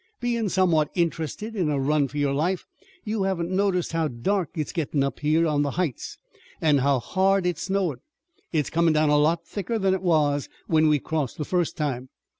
Bein' somewhat interested in a run for your life you haven't noticed how dark it's gettin' up here on the heights an' how hard it's snowin'. It's comin' down a lot thicker than it was when we crossed the first time."